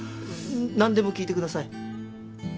なんでも聞いてください。